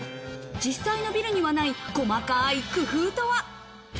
実際のビルにはない細かい工夫とは？